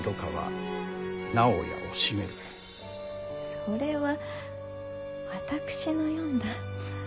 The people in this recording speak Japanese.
それは私の詠んだ。